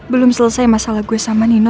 belum selesai masalah gue sama nino